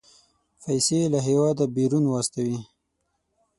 پيسې له هېواده بيرون واستوي.